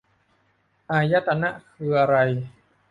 อายตนะ คืออะไร